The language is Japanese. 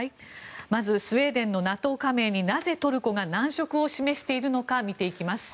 まず、スウェーデンのＮＡＴＯ加盟になぜトルコが難色を示しているのか見ていきます。